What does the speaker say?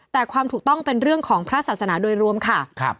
แต่ความถูกต้องเป็นเรื่องของพระศาสนาโดยรวมค่ะ